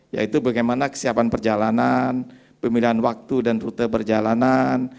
yaitu bagaimana kesiapan perjalanan pemilihan waktu dan rute perjalanan